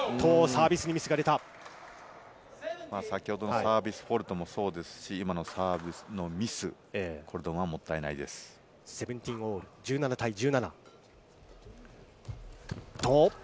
サービスフォルトもそうですし、今のサーブのミス、もったい１７対１７。